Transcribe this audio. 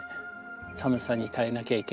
寒さに耐えなきゃいけない。